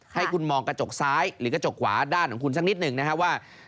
ให้คุณมองกระจกซ้ายหรือกระจกขวาด้านของคุณสักนิดหนึ่งนะครับว่า